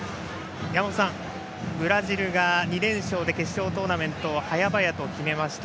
山本さん、ブラジルが２連勝で決勝トーナメントを早々と決めました。